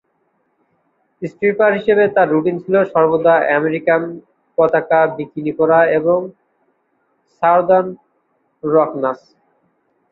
Stripper হিসাবে তার routine ছিল সর্বদা আমেরিকান পতাকা বিকিনি পরা এবং সাউদার্ন রক নাচ।